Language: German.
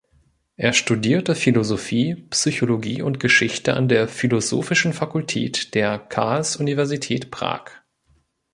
Er studierte Philosophie, Psychologie und Geschichte an der philosophischen Fakultät der Karls-Universität Prag.